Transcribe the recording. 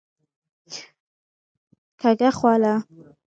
کږه خوله